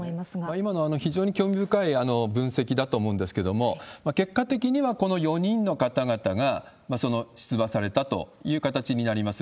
今の、非常に興味深い分析だと思うんですけれども、結果的には、この４人の方々が出馬されたという形になります。